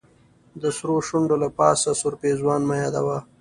د سرو شونډو له پاسه سور پېزوان مه يادوه